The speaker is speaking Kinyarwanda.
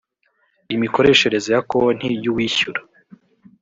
imikoreshereze ya konti y uwishyura